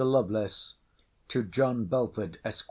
LOVELACE, TO JOHN BELFORD, ESQ.